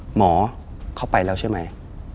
หมอเข้าไปแล้วใช่ไหม